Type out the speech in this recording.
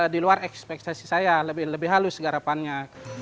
di luar ekspektasi saya lebih halus garapannya